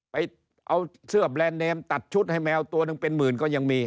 ไปเอาเสื้อแบรนด์เนมตัดชุดให้แมวตัวหนึ่งเป็นหมื่นก็ยังมี